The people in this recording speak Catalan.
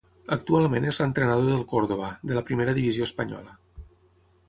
Actualment és l'entrenador del Córdoba, de la Primera divisió espanyola.